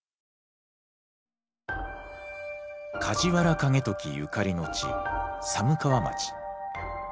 梶原景時ゆかりの地寒川町。